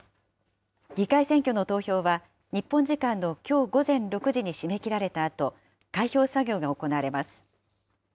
議会選挙の投票は日本時間のきょう午前６時に締め切られたあと、開票作業が行われます。